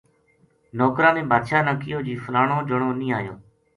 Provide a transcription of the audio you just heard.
نوکراں نے بادشاہ نا کہیو جی فلانو جنو نیہہ اَیو